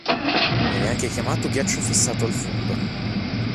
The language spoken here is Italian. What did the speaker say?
Viene anche chiamato ghiaccio fissato al fondo.